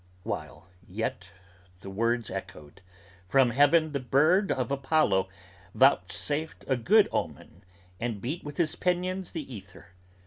While yet the words echoed, from heaven the bird of Apollo Vouchsafed a good omen and beat with his pinions the ether.